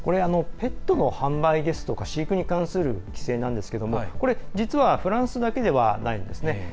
ペットの販売ですとか飼育に関する規制なんですけど実はフランスだけではないんですね。